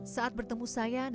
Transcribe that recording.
saat bertemu saya